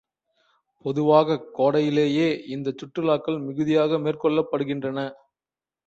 பொதுவாகக் கோடையிலேயே இந்தச் சுற்றுலாக்கள் மிகுதியாக மேற்கொள்ளப்படுகின்றன.